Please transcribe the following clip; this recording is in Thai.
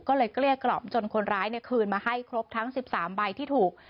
ก็เลยเกลี้ยกล่อมจนคนร้ายคืนมาให้ครบทั้ง๑๓ใบที่ถูก